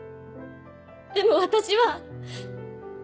でも私は。